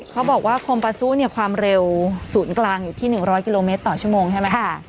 เขาบอกว่าคมปาซูความเร็วศูนย์กลางอยู่ที่๑๐๐กิโลเมตรต่อชั่วโมงใช่ไหม